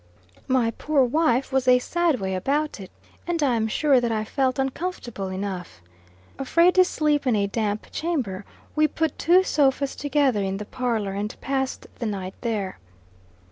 My poor wife was a sad way about it; and I am sure that I felt uncomfortable enough. Afraid to sleep in a damp chamber, we put two sofas together in the parlor, and passed the night there.